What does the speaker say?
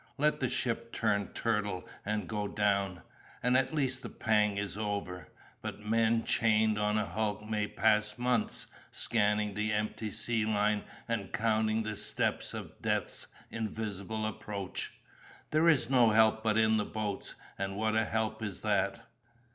Let the ship turn turtle and go down, and at least the pang is over. But men chained on a hulk may pass months scanning the empty sea line and counting the steps of death's invisible approach. There is no help but in the boats, and what a help is that!